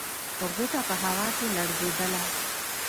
غوټه په هوا کې لړزېدله.